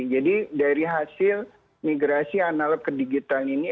jadi dari hasil migrasi analog ke digital ini